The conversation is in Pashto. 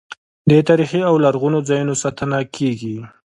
د تاریخي او لرغونو ځایونو ساتنه کیږي.